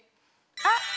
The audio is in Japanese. あっ！